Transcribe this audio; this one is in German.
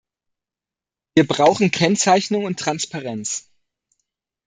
Wir brauchen Kennzeichnung und Transparenz.